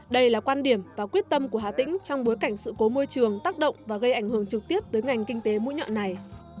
đây là quan điểm và quyết tâm của hà tĩnh trong bối cảnh sự cố môi trường tác động và gây ảnh hưởng trực tiếp tới ngành kinh tế mũi nhọn này